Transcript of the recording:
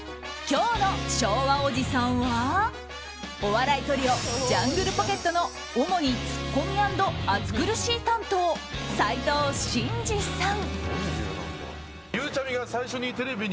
今日の昭和おじさんはお笑いトリオジャングルポケットの主にツッコミ＆暑苦しい担当斉藤慎二さん。